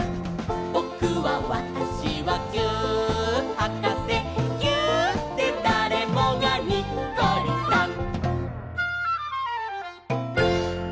「ぼくはわたしはぎゅーっはかせ」「ぎゅーっでだれもがにっこりさん！」